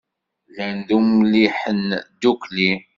Llan d umliḥen ddukkli.